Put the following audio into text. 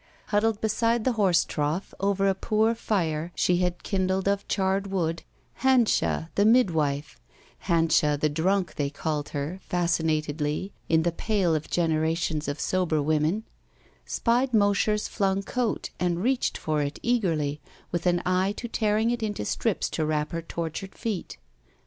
Huddled beside the horse trough, over a poor fire she had kindled of charred wood, Hanscha, the mid wife (HansduC, the drunk, they called her, fas cinatedly, in the Pale of generations of sober women), spied Mosher's flung coat and reached for it eagerly, with an eye to tearing it into strips to wrap her tortured feet.